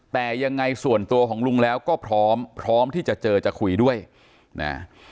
แต่ยังไงส่วนตัวของลุงแล้วก็พร้อมพร้อมที่จะเจอจะคุยด้วยนะ